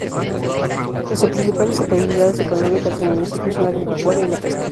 Las principales actividades económicas del municipio son la agropecuaria y la pesca.